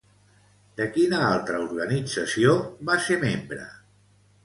De quina altra organització va ser membre?